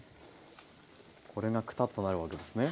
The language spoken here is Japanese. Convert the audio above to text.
これがくたっとなるわけですね。